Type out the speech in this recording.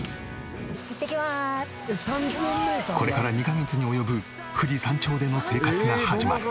これから２カ月に及ぶ富士山頂での生活が始まる。